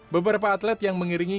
beberapa atlet yang mengiringi